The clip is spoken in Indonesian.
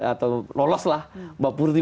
atau loloslah mbak putri